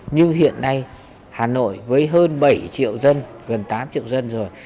nhưng hiện nay hà nội với hơn bảy triệu dân gần tám triệu dân rồi